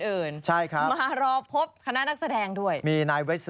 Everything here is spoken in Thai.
มืดเรือมืดเรือ